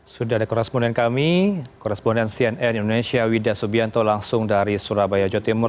sudah ada koresponden kami koresponden cnn indonesia wida subianto langsung dari surabaya jawa timur